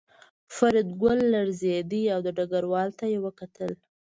فریدګل لړزېده او ډګروال ته یې وکتل